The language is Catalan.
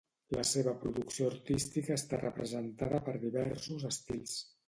La seva producció artística està representada per diversos estils.